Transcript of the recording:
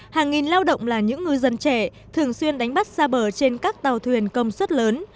hàng nghìn lao động là những ngư dân trẻ thường xuyên đánh bắt xa bờ trên các tàu thuyền công suất lớn